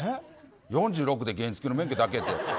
４６で原付きの免許だけって。